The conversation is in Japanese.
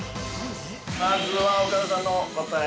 ◆まずは岡田さんの答え